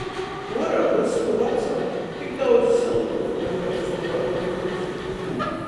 Uorā vyss pa vacam, tik daudzi syltuok, nakai ustobā ruodejuos.